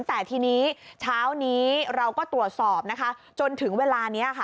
แต่ทีนี้เช้านี้เราก็ตรวจสอบนะคะจนถึงเวลานี้ค่ะ